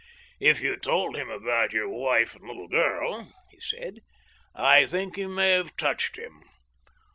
" If you told him about your wife and little girl," he said, " I think that may have touched him.